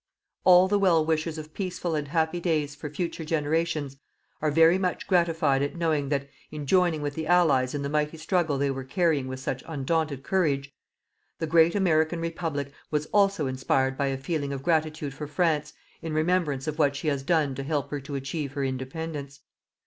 All the well wishers of peaceful and happy days for future generations are very much gratified at knowing that in joining with the Allies in the mighty struggle they were carrying with such undaunted courage, the great American Republic was also inspired by a feeling of gratitude for France in remembrance of what she has done to help her to achieve her independence.